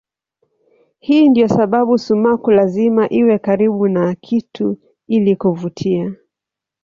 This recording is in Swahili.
Hii ndiyo sababu sumaku lazima iwe karibu na kitu ili kuvutia.